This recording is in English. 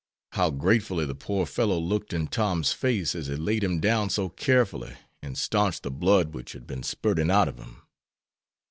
How gratefully the poor fellow looked in Tom's face as he laid him down so carefully and staunched the blood which had been spurting out of him.